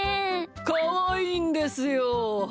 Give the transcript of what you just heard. かわいいんですよ。